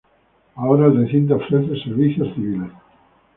Ahora, el recinto ofrece servicios a civiles.